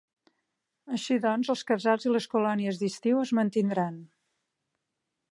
Així doncs, els casals i les colònies d’estiu es mantindran.